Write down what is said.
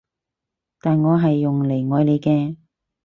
但我係用嚟愛你嘅